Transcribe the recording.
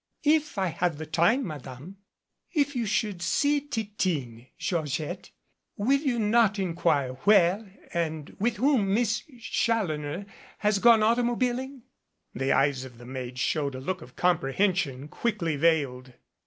"If I have the time, Madame " "If you should see Titine, Georgette, will you not in quire where and with whom Miss Challoner has gone auto mobiling?" The eyes of the maid showed a look of comprehension, quickly veiled.